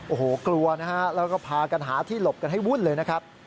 โอ้โหกลัวนะฮะแล้วก็พากันหาที่หลบกันให้วุ่นเลยนะครับ